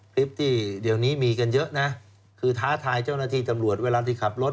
คลิปที่เดี๋ยวนี้มีกันเยอะนะคือท้าทายเจ้าหน้าที่ตำรวจเวลาที่ขับรถ